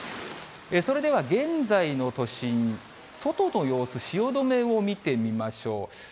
それでは現在の都心、外の様子、汐留を見てみましょう。